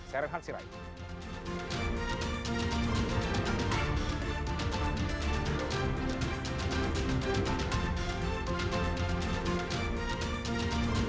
saya renhan sirai